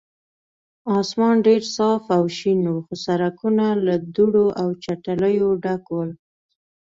اسمان ډېر صاف او شین و، خو سړکونه له دوړو او چټلیو ډک ول.